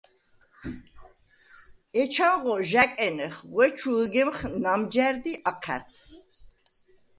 ეჩანღო ჟ’ა̈კენეხ, ღვე ჩუ ჷგემხ ნამჯა̈რდ ი აჴა̈რდ.